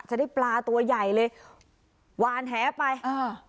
จะได้ปลาตัวใหญ่เลยวานแหไปอ่า